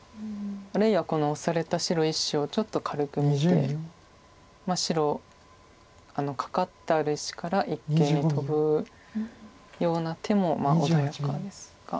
あるいはこのオサれた白１子をちょっと軽く見て白カカってある石から一間にトブような手も穏やかですが。